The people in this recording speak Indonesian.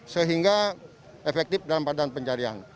sehingga efektif dalam keadaan pencarian